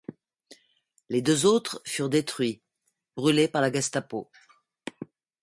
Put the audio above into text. Les deux autres furent détruits, brûlés par la Gestapo.